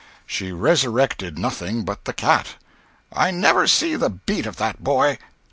She resurrected nothing but the cat. "I never did see the beat of that boy!"